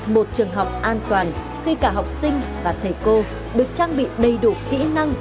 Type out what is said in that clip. một trường học an toàn khi cả học sinh và thầy cô được trang bị đầy đủ kỹ năng